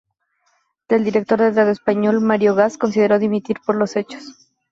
El director del Teatro Español, Mario Gas, consideró dimitir por los hechos.